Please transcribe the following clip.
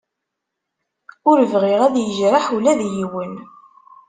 Ur bɣiɣ ad yejreḥ ula d yiwen.